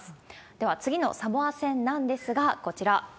では、次のサモア戦なんですが、こちら。